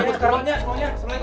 sekarangnya semuanya semuanya coy